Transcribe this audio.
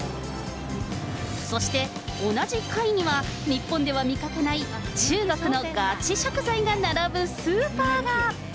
そして、同じ階には日本では見かけない、中国のガチ食材が並ぶスーパーが。